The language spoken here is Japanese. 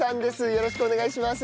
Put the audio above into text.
よろしくお願いします。